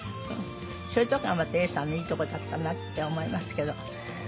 そいうとこがまた永さんのいいとこだったなって思いますけど。